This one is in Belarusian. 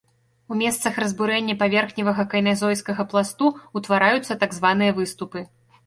У месцах разбурэння паверхневага кайназойскага пласту ўтвараюцца так званыя выступы.